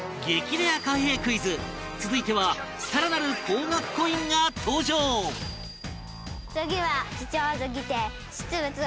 レア貨幣クイズ続いては更なる高額コインが登場次は。